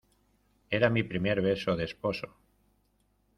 era mi primer beso de esposo.